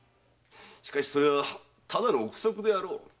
しかしそれはただの憶測であろう。